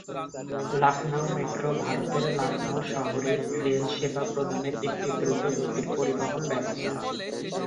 Lucknow metro ভারতের লখনউ শহরে rail সেবা প্রদানের একটি দ্রুত গতির পরিবহন ব্যবস্থা।